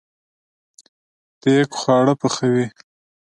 دیګ خواړه پخوي